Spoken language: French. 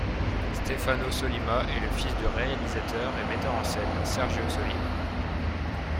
Stefano Sollima est le fils du réalisateur et metteur en scène Sergio Sollima.